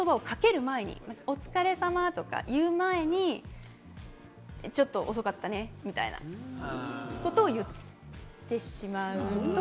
夫に労いの言葉をかける前に、お疲れ様とか言う前にちょっと遅かったねみたいなことを言ってしまうと。